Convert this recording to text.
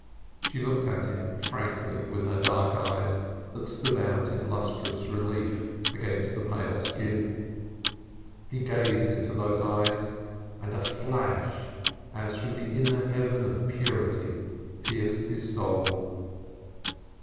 She looked at him frankly with her dark eyes that stood out in lustrous relief against the pale skin. He gazed into those eyes, and a flash as from the inner heaven of purity pierced his soul.